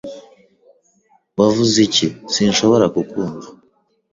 Wavuze iki? Sinshobora kukumva.